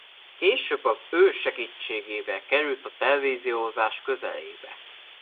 Később az ő segítségével került a televíziózás közelébe.